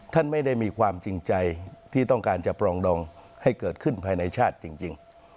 ท่านไม่ได้มีความจริงใจที่ต้องการจะปรองดองให้เกิดขึ้นภายในชาติจริง